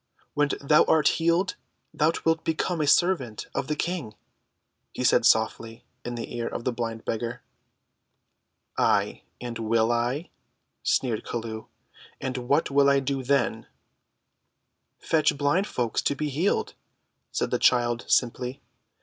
"When thou art healed, thou wilt become a servant of the King," he said softly in the ear of the blind beggar. "Ay, and will I?" sneered Chelluh; "and what will I do then?" "Fetch blind folks to be healed," said the child simply.